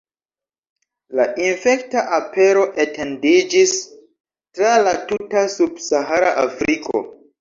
La infekta apero etendiĝis tra la tuta Subsahara Afriko.